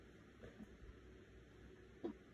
加茂市为一位于日本新舄县中部的城市。